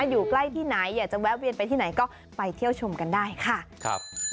อยู่ใกล้ที่ไหนอยากจะแวะเวียนไปที่ไหนก็ไปเที่ยวชมกันได้ค่ะ